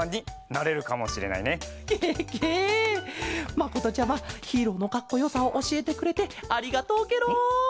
まことちゃまヒーローのかっこよさをおしえてくれてありがとうケロ。